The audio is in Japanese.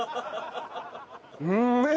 うめえ！